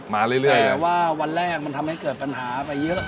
มาเรื่อยแต่ว่าวันแรกมันทำให้เกิดปัญหาไปเยอะ